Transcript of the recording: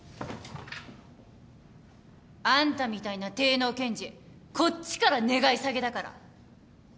あんたみたいな低能検事こっちから願い下げだから